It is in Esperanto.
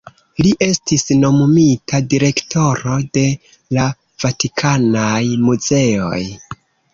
Li estis nomumita direktoro de la Vatikanaj muzeoj.